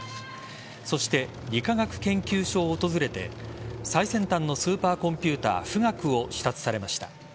そして、理化学研究所を訪れて最先端のスーパーコンピューター富岳を視察されました。